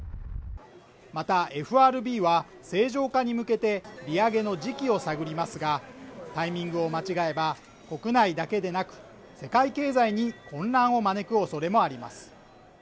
またＦＲＢは正常化に向けて利上げの時期を探りますがタイミングを間違えば国内だけでなく世界経済に混乱を招くおそれもあります